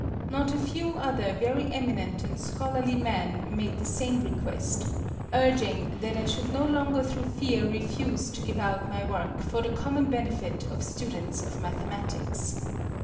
Not a few other very eminent and scholarly men made the same request, urging that I should no longer through fear refuse to give out my work for the common benefit of students of Mathematics.